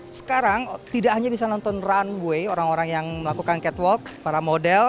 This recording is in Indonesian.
sekarang tidak hanya bisa nonton runway orang orang yang melakukan catwalk para model